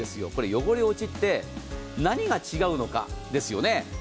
汚れ落ちって何が違うのかですよね。